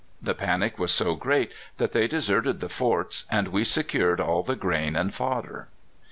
The panic was so great that they deserted the forts, and we secured all the grain and fodder.